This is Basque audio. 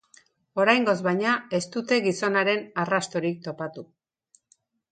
Oraingoz, baina, ez dute gizonaren arrastorik topatu.